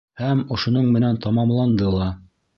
Һәм ошоноң менән тамамланды ла.